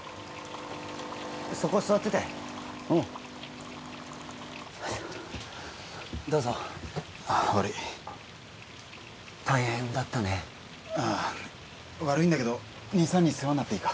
そこ座っててうんどうぞああ悪い大変だったねああ悪いんだけど２３日世話になっていいか？